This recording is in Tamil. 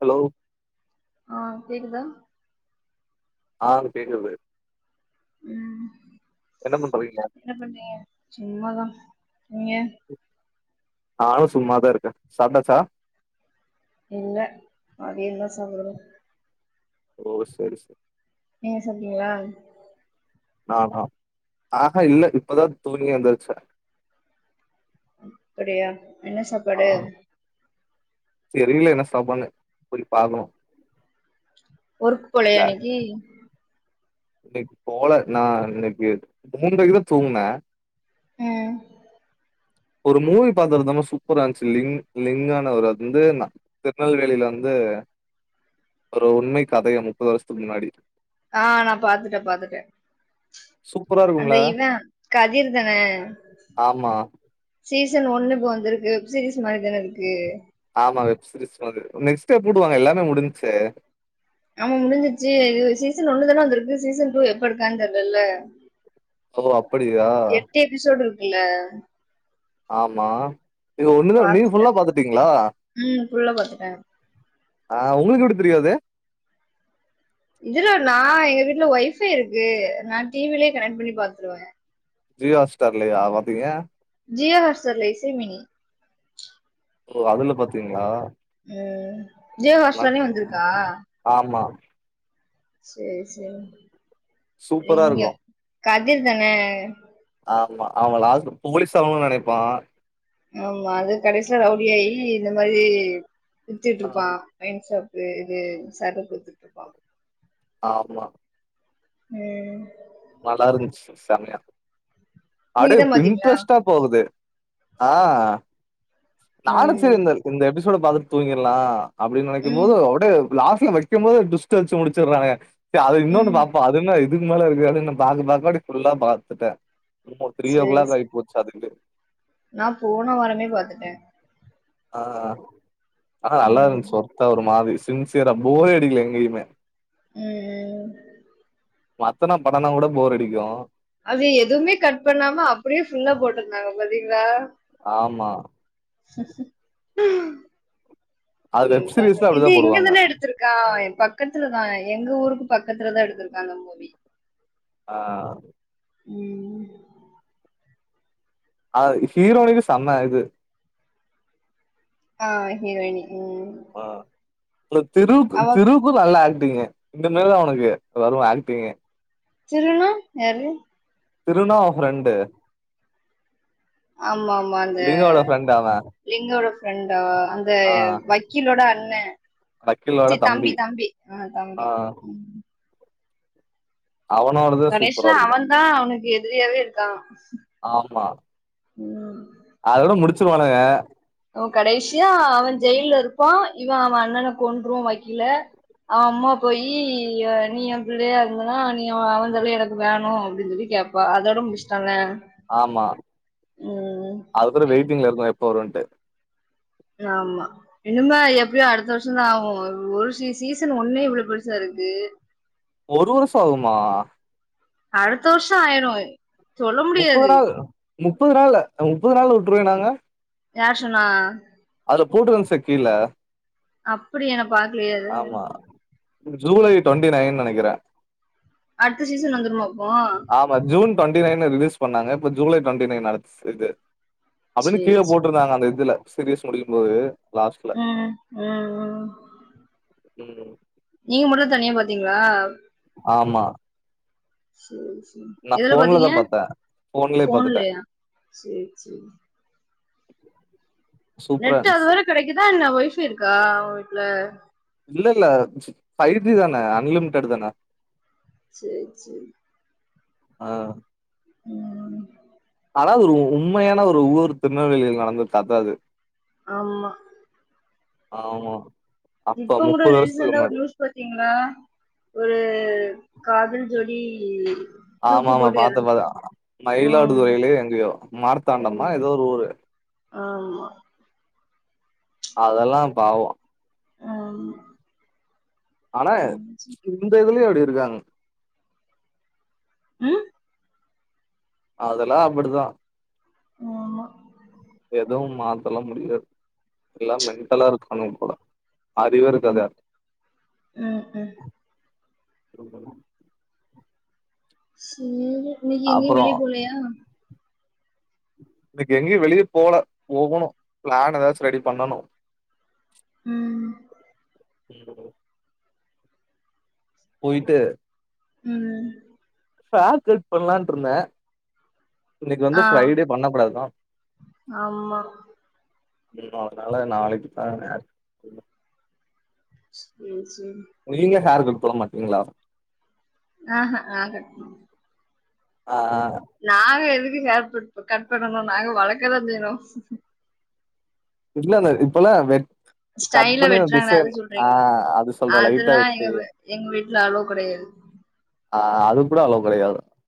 ஹலோ ஆ கேக்குதா ஆம் கேக்குது ம் என்ன பண்றீங்க என்ன பண்றீங்க சும்மாதா நீங்க நானு சும்மாதா இருக்க சாப்ட்டாச்சா இல்ல மதியந்தா சாப்டணு ஓ செரி செ நீங்க சாப்டிங்ளா நானா ஆஹா இல்ல இப்பதா தூங்கி எந்திர்ச்சே அப்பிடியா என்ன சாப்பாடு தெரில என்ன சாப்பாட்னு போய் பாக்குனு ஒர்க் போலயா இன்னிக்கி இன்னைக் போல நா இன்னைக்கி மூன்றைக்கு தா தூங்ன ம் ஒரு மூவி பாத்தறந்தமா சூப்பரான்ச்சு லிங் லிங்கானு வரு அது வந்து நா திருநெல்வேலில வந்து ஒரு உண்மை கதைய முப்பது வர்ஷத்துக் முன்னாடி ஆ நா பாத்துட்ட பாத்துட்டே சூப்பரா அந்த இருக்கும்ல இவ கதிர் தானே ஆமா சீசன் ஒன்னு இப்போ வந்திருக்கு வெப்சீரிஸ் மாரிதான இருக்கு ஆமா வெப்சீரிஸ் மாரி நெக்ஸ்ட் டே புடுவாங்க எல்லாமே முடிஞ்சே ஆமா முடிஞ்சுச்சு இது சீசன் ஒன்னு தான வந்திருக்கு சீசன் டூ எப்ப எடுக்கான் தெர்லல்ல ஓ அப்படியா எட்டு எபிசோடு இருக்குல்ல ஆமா இது ஒன்னுத நீங்க பாத்துட்டே ஃபுல்லா பாத்துடீங்ளா ம் ஃபுல்ல பாத்துட்டே ஆ உங்ளுக்கு எப்டி தெரியு அது இதுல நா எங்க வீட்ல வைஃபை இருக்கு நா டி வி லே கனெட் பண்ணி பாத்துருவே ஜியோ ஹாட் ஸ்டார்லயா பாப்பீங்க ஜியோ ஹாட்ஸ்டார் இல்ல இசைமேனி ஓ அதுல பாத்தீங்ளா ம் ஜியோ ஹாட் ஸ்டார்லயு வந்திருக்கா ஆமா சேரி சேரி சூப்பரா லிங்க இருக்கு கதிர் தான ஆமா அவ லாஸ்ட்ல போலீஸ் ஆவுனுன் நெனைப்பா ஆமா அது கடைசில ரவுடியாயி இந்த மாரி சுத்திட்ருப்பா ஒயின் சாப்பு இது சரக் குத்துட்ருப்பா ஆமா ம் நல்லாருன்ச்சு செமயா நீங்க அடேவ் தான் பாத்தீங்களா இன்ட்ரெஸ்டா போகுது ஆ நானு செரி ம் இந்த இந்த எபிசோடு பாத்துட் தூங்கிர்லா அப்டின் நெனைக்கும் ம் போது அப்டே லாஸ்ட்ல வைக்கம் போது ஒரு டுவிஸ்ட் வச்சு முடிச்சர்ரானுக கே அத இன்னொன்னு ம் பாப்போ இது இன்னா இதுக் மேல இருக்கு அது என்ன பாக்க பாக்க அப்டி ஃபுல்லா பாத்துட்டே இப்போ த்ரீ ஓ கிளாக் ஆய் போச் சதுங்கு நா போன வாரமே பாத்துட்டே ஆ ஆனா நல்லா ம் இருந்துச்சு சொத்தா ஒரு மாரி சின்சியரா போரே அடிக்கல எங்கயுமே ம் ம் மத்தனா படனா கூட போர் அடிக்கு அது எதுமே கட் பண்ணாம அப்டியே ஃபுல்லா போட்ருந்தாங்க பாத்தீங்களா ஆமா அது இது வெப் தாங்க சீரிஸ்ல அப்டிதா இல்ல இங்க போடுவாங்க தானே எடுத்துருக் கா எ பக்கத்துலதா எங்க ஊருக்கு பக்கத்துலதா எடுத்துருக்காங்க மூவி ஆ ம் ஆ ஹீரோயினுக்கு சம்ம இது கா ஹீரோயிணி ம் ஆ இல்ல திருவுக்கு அவ திரு கு நல்ல ஆக்டிங்கு இந்த மாதிரி தா அவனுக்கு வரு ஆக்டிங்கு திருனா யாரு திருனா உ ஃப்ரெண்டு ஆமா ஆமா அந்த திருவோட ஃப்ரெண்ட் அவ லிங்கோட ஃப்ரெண்ட்டு அந்த ஆ வக்கீலோட அண்ண சரி தம்பி தம்பி ஆ தம்பி ம் அவனோடது கடைசில சூப்பரா அவ இருக்கு தா அவனுக்கு எதிரியாவே இருக்கா ஆமா ம் அதோட முடிச்சுருவானுங்க அவ கடைசியா அவ ஜெயில்ல இருப்பா இவ அவ அண்ணன கொன்றுவா வக்கீல அவ அம்மா போயி எ நீ புள்ளேயா இருந்தனா நீயோ அவன் தல எனக்கு வேணு அப்டின்னு சொல்லி கேப் பா அதோடு முடிச்சிட்டாங்கள ஆமா அதுக்கப்ற வெயிட்டிங்ல இருக்கு எப்போ வருந்ட்டு ஆமா இனிமே எப்டியோ அடுத்த வருஷ தா ஆகு ஒரு சீசன் ஒன்னே இவ்வளோ பெருசா இருக்கு ஒரு வருஷ ஆகுமா அடுத்த வருஷொ ஆயிடு முப்பது நாள் முப்பது நாள் முப்பது நாள் விட்ருவே நாங்க யார் சொன்னா அதுல போட்டுறுன்ச்ச கீழ அப்டியா நா என பாக்லையே அது ஆமா ஜூலை டுவெண்ட்டி நைன் நெனைக்கிறே அடுத்த சீசன் வந்துடுமா அப்போ ஆமா ஜூன் டுவெண்டிை நைன்னு ரிலீஸ் பண்ணாங்க இப்ப ஜூலை டுவெண்டி நைன் இது அப்டின்னு சேரி கீழே சேரி போட்ருந்தாங்க அந்த இதுல சீரிஸ் முடியும்போது லாஸ்ட்ல ம் ம் ம் ம் நீங்க மட்டு தனியா பாத்தீங்களா ஆமா சேரி செரி நா எதுல பாத்தீங்க ஃபோன்லதா பாத்தே ஃபோன்லயே பாத்துட்டே ஃபோன்லையா சேரி செரி [inaudible] நெட்டு் இருந்துச்சு அதுவர கெடைக்குதா என்ன வைஃபை இருக்கா உ வீட்ல இல்ல இல்ல ஃபைவ் ஜி தானே அன்லிமிடட் தான சேரி சேரி ஆ ம் ஆனா அது ஒரு உண்மையான ஒரு ஊரு திருநெவேலில நடந்திருக்கு அதா இது ஆமா ஆமா அப்ப முப்பது வருசத்துக்கு முன்னாடி போயிர்க்கீங்ளா ஒரு காதல் ஜோடி தூக்கு ஆமாம்மா போட்டு பாத்தே எறந் பாத்தே ம் மயிலாடுதுறையிலே எங்கயோ மார்த்தாண்டம்மா எறந் எதோ ஒரு ஊரு ஆமா அதெல்லா பாவ ஆமா ஆனா ம் இந்த இதுலயு அப்டி இருக்காங்க ம் அதெல்லா அப்டிதா ஆமா எதுவு மாத்தலா முடியாது எல்லா மென்டலா இருக்கானுங்க போல அறிவே இருக்காது ம் யார் ம் ம் சேரி இன்னைக்கு எங்கயு அப்றோ வெளிய போலையா இன்னைக்கு எங்கயு வெளிய போல போகணு பிளான் எதாச்சு ரெடி பண்ணணு ம் தேடுது போய்ட்டு ம் ஃபேர் கட் பண்லான்ட்ருந்த இன்னைக்கு வந்து ஆ ஃப்ரை டே பண்ணக்கூடாதா ஆமா ம் அதனால நாளைக்கு தா ஹேர் சேரி சேரிங் நீங்க ஹேர் கட் பண்ண மாட்டீங்ளா ஆ ஹ நா கட் பண்ண ஆ ஆ நாங்க எதுக்கு ஹேர்கட் இப்ப கட் பண்ணணு நாங்க வளக்கதா செய்றோ இல்ல இந்த இப்பலா வெட் கட் ஸ்டைல பண்ணி அந்த வெட்டுறாங்களே டிசைன் அது ஆ சொல்றீங்களா அது சொல்றே லைட்டா அதெல்லாம் எங்க வெட்டி வீ- எங்க வீட்ல அலோ கெடையாது ஆ அதுக் கூட அலோ கெடையாதா